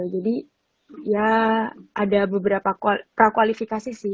jadi ya ada beberapa prakualifikasi sih